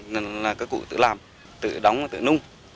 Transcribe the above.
nên là các cụ tự làm tự đóng tự nung